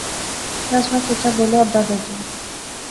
شاہ سوار چچا بولے، ادھا درجن